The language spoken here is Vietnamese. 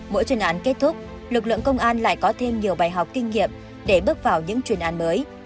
mỗi chuyên án kết thúc lực lượng công an lại có thêm nhiều bài học kinh nghiệm để bước vào những chuyên án mới